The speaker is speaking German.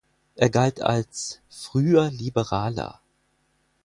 Er galt als „früher Liberaler“.